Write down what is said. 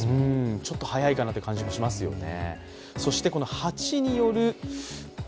ちょっと早いかなという感じもしますよね。